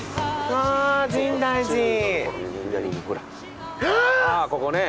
ああここね。